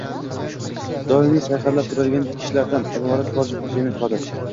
doimiy sayqallab turadigan kishilardan iborat faol jamiyat qodir.